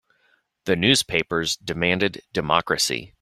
The newspapers demanded democracy.